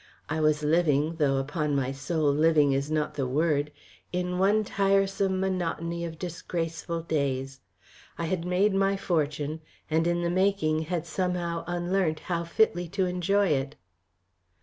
I was living, though upon my soul living is not the word, in one tiresome monotony of disgraceful days. I had made my fortune, and in the making had somehow unlearnt how fitly to enjoy it."